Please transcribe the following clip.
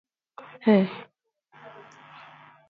The core economy of the region is agriculture.